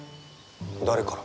誰から？